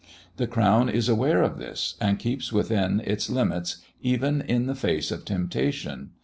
The crown is aware of this, and keeps within its limits even in the face of temptation.